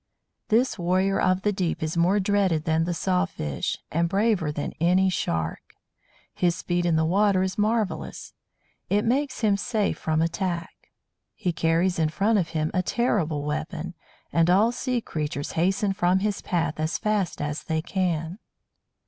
This warrior of the deep is more dreaded than the Saw fish, and braver than any Shark. His speed in the water is marvellous; it makes him safe from attack. He carries in front of him a terrible weapon, and all sea creatures hasten from his path as fast as they can.